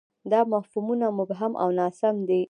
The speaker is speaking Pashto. دا مفهومونه مبهم او ناسم دي.